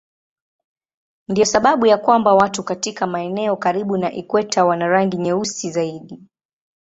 Ndiyo sababu ya kwamba watu katika maeneo karibu na ikweta wana rangi nyeusi zaidi.